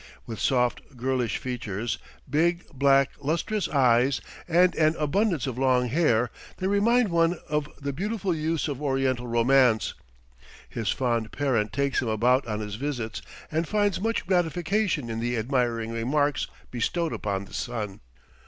With soft, girlish features, big, black, lustrous eyes, and an abundance of long hair, they remind one of the beautiful youths of Oriental romance; his fond parent takes him about on his visits and finds much gratification in the admiring remarks bestowed upon the son.